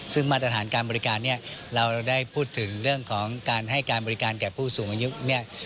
ซึ่งมาตรฐานการบริการเนี่ยเราได้พูดถึงเรื่องของการให้การบริการแก่ผู้สูงอายุเนี่ย